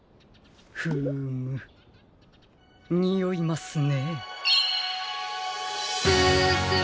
フームにおいますね。